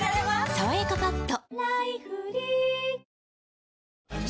「さわやかパッド」